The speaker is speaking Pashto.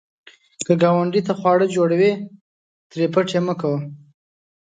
که ګاونډي ته خواړه جوړوې، ترې پټ یې مه کوه